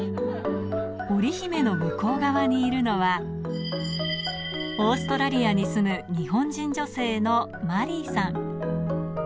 オリヒメの向こう側にいるのは、オーストラリアに住む日本人女性のマリーさん。